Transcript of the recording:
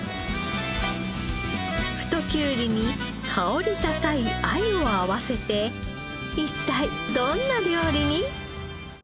太きゅうりに香り高いアユを合わせて一体どんな料理に？